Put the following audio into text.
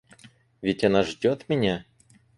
Ведь она ждет меня?